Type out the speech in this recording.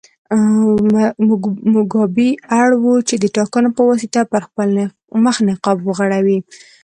موګابي اړ و چې د ټاکنو په واسطه پر خپل مخ نقاب وغوړوي.